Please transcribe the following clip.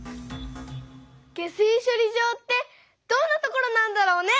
下水しょり場ってどんなところなんだろうね？